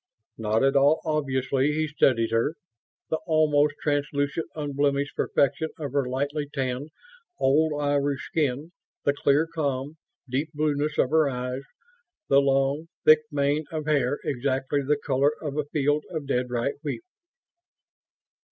Not at all obviously, he studied her: the almost translucent, unblemished perfection of her lightly tanned, old ivory skin; the clear, calm, deep blueness of her eyes; the long, thick mane of hair exactly the color of a field of dead ripe wheat.